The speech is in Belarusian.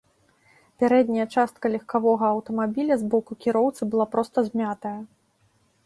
Пярэдняя частка легкавога аўтамабіля з боку кіроўцы была проста змятая.